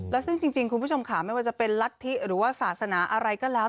และซึ่งจริงคุณผู้ชมค่ะไม่ว่าจะเป็นรัฐธิหรือว่าศาสนาอะไรก็แล้ว